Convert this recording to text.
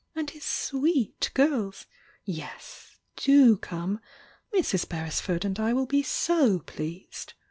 — and his sweet girls! Yes! — do come! Mrs. Beresford and I will be so pleased!"